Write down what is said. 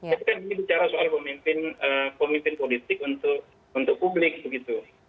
tapi kan ini bicara soal pemimpin politik untuk publik begitu